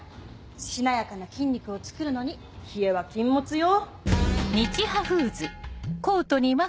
しなやかな筋肉をつくるのに冷えは禁物よ！